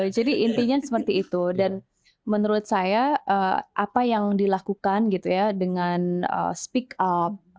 jadi intinya seperti itu dan menurut saya apa yang dilakukan dengan speak up